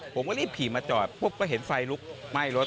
ผมก็รีบขี่มาจอดปุ๊บก็เห็นไฟลุกไหม้รถ